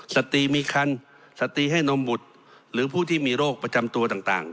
สติมีคันสตรีให้นมบุตรหรือผู้ที่มีโรคประจำตัวต่าง